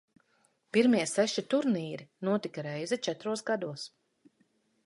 Pirmie seši turnīri notika reizi četros gados.